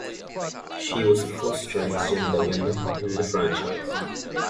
She was the first transgender winner in the franchise.